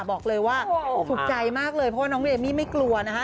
บอกเลยว่าสุขใจมากเลยเพราะว่าน้องเอมมี่ไม่กลัวนะคะ